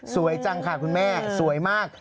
สวยจังค่ะคุณแม่สวยมาก